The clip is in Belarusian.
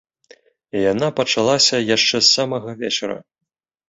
Яна пачалася яшчэ з самага вечара.